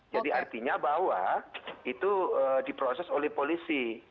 jadi artinya bahwa itu diproses oleh polisi